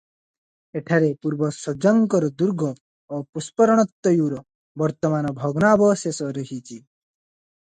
ଏଠାରେ ପୂର୍ବ ସ୍ୱଜାଙ୍କର ଦୁର୍ଗ ଓ ପୁଷ୍ପରର୍ଣତୟୂର ବର୍ତ୍ତମାନ ଭଗ୍ନାବଶେଷ ରହିଅଛି ।